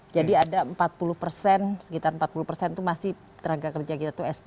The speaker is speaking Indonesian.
jadi ada empat puluh persen sekitar empat puluh persen itu masih rangka kerja kita itu sd